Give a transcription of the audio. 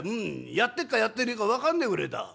やってっかやってねえか分かんねえぐれえだ」。